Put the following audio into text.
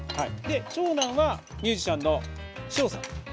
長男はミュージシャンの唱さん。